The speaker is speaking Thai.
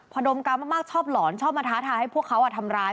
พอดมกาวมากชอบหลอนชอบมาท้าทายให้พวกเขาทำร้าย